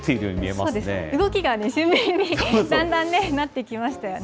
そうです、動きがね、俊敏に、だんだんね、なってきましたよね。